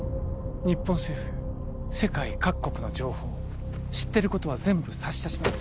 日本政府世界各国の情報知ってることは全部差し出します